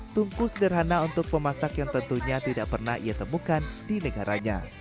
tungku sederhana untuk pemasak yang tentunya tidak pernah ia temukan di negaranya